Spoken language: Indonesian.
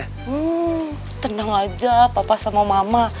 hmm tenang aja papa sama mama